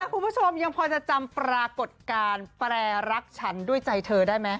คุณผู้ชมยังพอจะจำปรากฏการณ์แปรรักฉันด้วยใจเธอได้ไหม